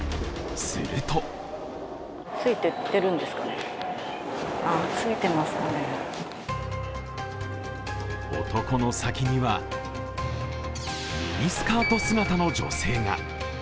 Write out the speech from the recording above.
すると男の先にはミニスカート姿の女性が。